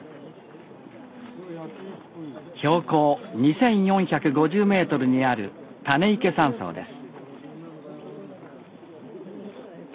標高２，４５０ｍにある種池山荘です